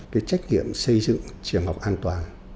cái trách nhiệm xây dựng trường học an toàn